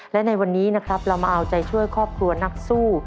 และในวันนี้นะครับเรามาเอาใจช่วยครอบครัวนักสู้